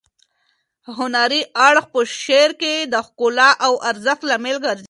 هنري اړخ په شعر کې د ښکلا او ارزښت لامل ګرځي.